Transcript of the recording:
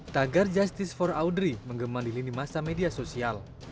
tagar justice for audrey menggema di lini masa media sosial